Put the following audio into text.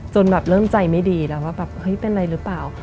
จนแบบเริ่มใจไม่ดีแล้วว่าแบบเฮ้ยเป็นอะไรหรือเปล่า